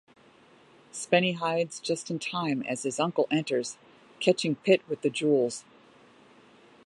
Spennie hides just in time as his uncle enters, catching Pitt with the jewels.